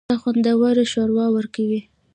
پسه خوندور شوروا ورکوي.